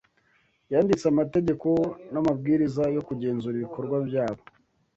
yanditse amategeko n'amabwiriza yo kugenzura ibikorwa byabo